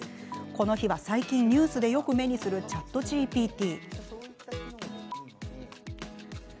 この日は、最近ニュースでよく目にするチャットＧＰＴ。